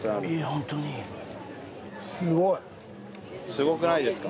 すごくないですか？